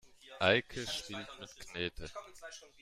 Eike spielt mit Knete.